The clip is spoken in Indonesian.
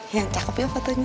yang cakep ya fotonya